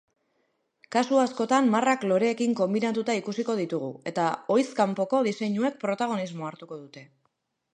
Kasu askotan marrak loreekin konbinatuta ikusiko ditugu eta ohizkanpoko diseinuek protagonismoa hartuko dute.